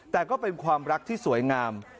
แต่ก็เป็นความรักที่สวยงาม